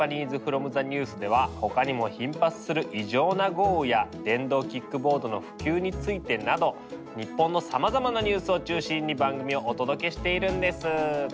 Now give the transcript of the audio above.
「ＬｅａｒｎＪａｐａｎｅｓｅｆｒｏｍｔｈｅＮｅｗｓ」では他にも頻発する異常な豪雨や電動キックボードの普及についてなど日本のさまざまなニュースを中心に番組をお届けしているんです。